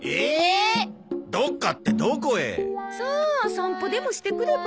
散歩でもしてくれば？